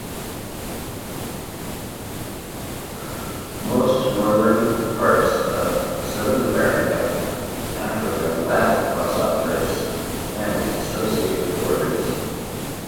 Most northern parts of South America and Africa lack "Glossopteris" and its associated organs.